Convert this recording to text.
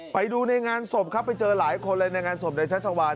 ไปดูในงานศพครับไปเจอหลายคนเลยในงานศพในชัชวาน